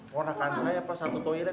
ponakan saya satu toilet